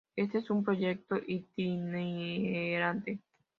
Este es un proyecto itinerante.